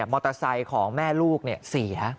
มอเตอร์ไซค์ของแม่ลูก๔ครับ